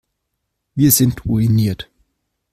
Wir sind ruiniert.